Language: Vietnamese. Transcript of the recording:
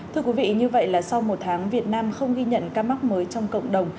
thưa quý vị như vậy là sau một tháng việt nam không ghi nhận ca mắc mới trong cộng đồng